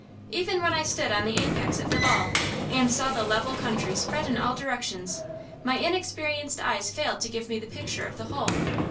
Even when I stood on the apex of the Vall, and saw the level country spread in all directions, my inexperienced eyes failed to give me the picture of the whole.